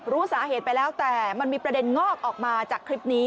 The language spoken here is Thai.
รู้สาเหตุไปแล้วแต่มันมีประเด็นงอกออกมาจากคลิปนี้